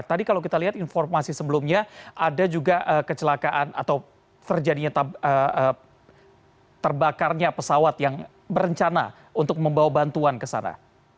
tadi kalau kita lihat informasi sebelumnya ada juga kecelakaan atau terjadinya terbakarnya pesawat yang berencana untuk membawa bantuan ke sana